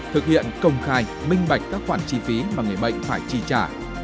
thực hiện công khai minh bạch các khoản chi phí mà người bệnh phải chi trả